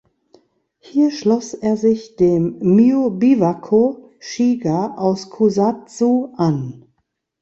Hier schloss er sich dem Mio Biwako Shiga aus Kusatsu an.